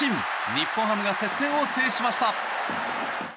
日本ハムが接戦を制しました。